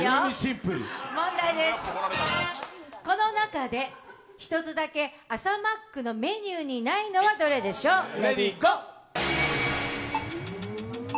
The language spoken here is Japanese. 問題です、この中で１つだけ朝マックのメニューにないのはどれでしょう。